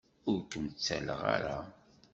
Ur kem-ttalleɣ ara.